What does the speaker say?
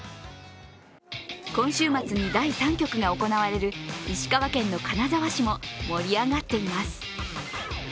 今週末に第３局が行われる石川県の金沢市も盛り上がっています。